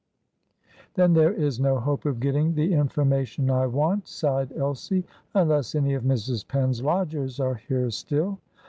"Then there is no hope of getting the information I want," sighed Elsie; "unless any of Mrs. Penn's lodgers are here still."